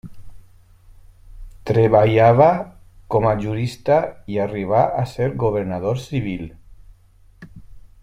Treballava com a jurista i arribà a ser governador civil.